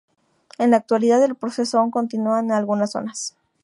En la actualidad, el proceso aún continúa en algunas zonas.